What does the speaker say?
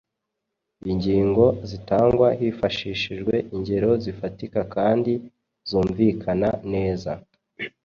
Ingingo zitangwa hifashishijwe ingero zifatika kandi zumvikana neza